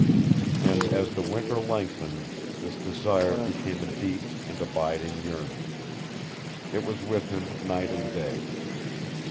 And as the Winter lengthened this desire became a deep and abiding yearning. It was with him night and day.